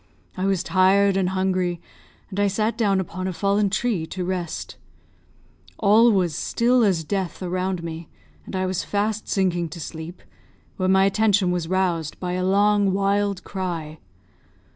I was tired and hungry, and I sat down upon a fallen tree to rest. All was still as death around me, and I was fast sinking to sleep, when my attention was aroused by a long, wild cry.